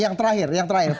yang terakhir yang terakhir